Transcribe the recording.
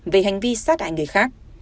về hành vi sát hại người khác